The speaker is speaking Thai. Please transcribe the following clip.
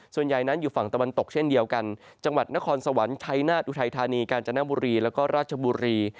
ส่วนใหญ่นั้นอยู่ฝั่งตะวันตกเช่นเดียวกันจังหวัดนครสวรรค์ชัยนาฏอุทัยธานีกาญจนบุรีแล้วก็ราชบุรี